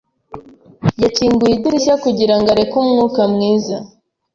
Yakinguye idirishya kugirango areke umwuka mwiza.